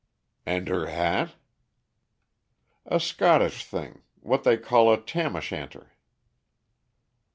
"And her hat?" "A Scottish thing what they call a tam o' shanter."